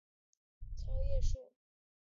糙叶树是榆科糙叶树属的植物。